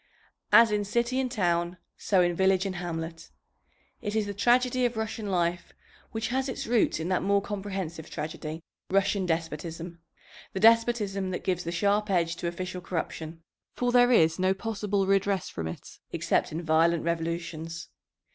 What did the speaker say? As in city and town, so in village and hamlet. It is the tragedy of Russian life, which has its roots in that more comprehensive tragedy, Russian despotism, the despotism that gives the sharp edge to official corruption. For there is no possible redress from it except in violent revolutions.